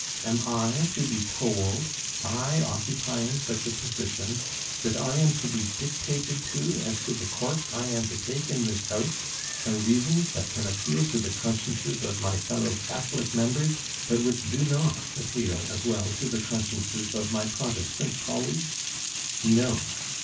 Am I to be told I, occupying such a position that I am to be dictated to as to the course I am to take in this House by reasons that can appeal to the consciences of my fellow Catholic members, but which do not appeal as well to the consciences of my Protestant colleagues? No!